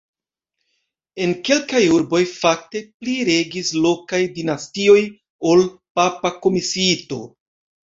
En kelkaj urboj fakte pli regis lokaj dinastioj ol papa komisiito.